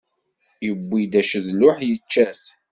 Iwwi d acedluḥ, ičča t.